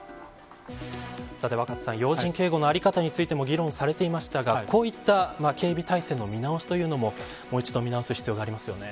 さて若狭さん要人警護の在り方についても議論されていましたがこういった警備体制の見直しというのももう一度見直す必要がありますよね。